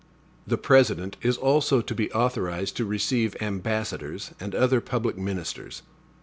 The President is also to be authorized to receive ambassadors and other public ministers.